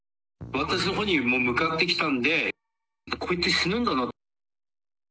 私のほうに向かってきたのでこうやって死ぬんだなと。